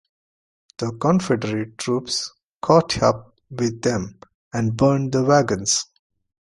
The Confederate troops caught up with them and burned the wagons.